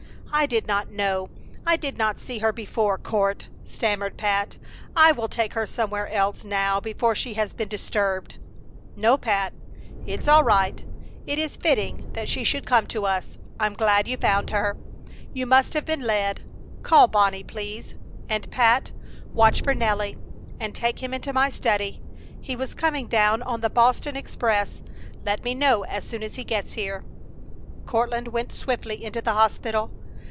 "I did not know! I did not see her before, Court!" stammered Pat. "I will take her somewhere else now before she has been disturbed." "No, Pat, it's all right! It is fitting that she should come to us. I'm glad you found her. You must have been led! Call Bonnie, please. And, Pat, watch for Nelly and take him into my study. He was coming down on the Boston express. Let me know as soon as he gets here." Courtland went swiftly into the hospital.